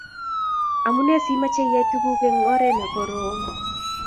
amune simache iyai tukuk eng oret nekorom